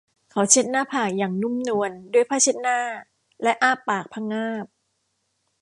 เขาเช็ดหน้าผากอย่างนุ่มนวลด้วยผ้าเช็ดหน้าและอ้าปากพะงาบ